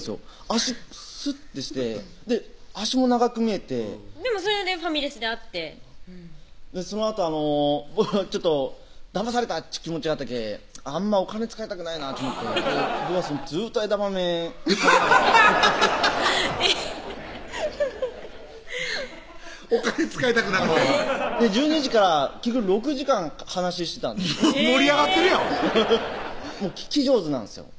脚スッてして脚も長く見えてでもそれでファミレスで会ってそのあとだまされたっちゅう気持ちあったけぇあんまお金使いたくないなって思ってずっと枝豆食べながらアハハハお金使いたくなくて１２時から結局６時間話してたんです盛り上がってるやん聞き上手なんですよ